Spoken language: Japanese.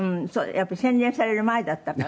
やっぱり洗練される前だったから。